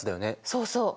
そうそう。